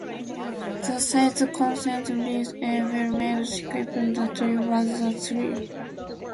The site's consensus reads A well-made sequel that delivers the thrills.